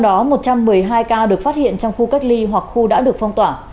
trong đó một trăm một mươi hai ca được phát hiện trong khu cách ly hoặc khu đã được phong tỏa